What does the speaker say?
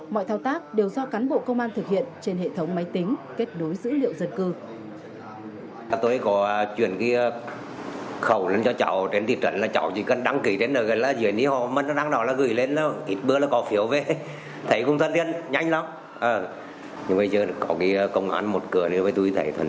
mọi thao tác đều do cán bộ công an thực hiện trên hệ thống máy tính kết nối dữ liệu dân cư